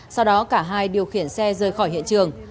sau đó cả hai điều khiển xe rời khỏi hiện trường